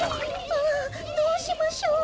ああどうしましょう。